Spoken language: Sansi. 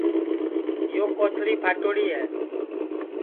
یو کوتݪی پھاٹوڑی ہے